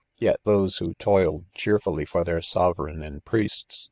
Yet those who toiled cheerfully for 'their sovereign and pxiests